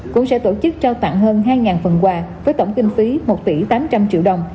cũng sẽ tổ chức trao tặng hơn hai phần quà với tổng kinh phí một tám trăm linh đồng